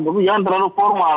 tapi jangan terlalu formal